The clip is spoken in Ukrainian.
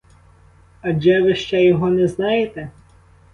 Адже ви ще його не знаєте?